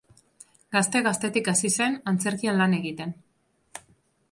Gazte gaztetik hasi zen antzerkian lan egiten.